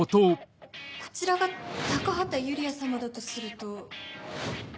こちらが高畑ユリア様だとすると。